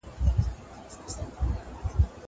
زه مخکي تمرين کړي وو!!